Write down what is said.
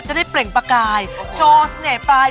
ได้เปล่งประกายโชว์เสน่ห์ปลาย